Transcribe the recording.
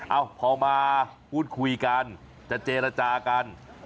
เอ้าพอมาพูดคุยกันจะเจรจากัน